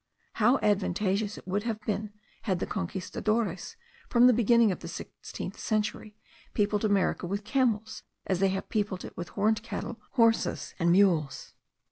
How advantageous it would have been had the Conquistadores, from the beginning of the sixteenth century, peopled America with camels, as they have peopled it with horned cattle, horses, and mules.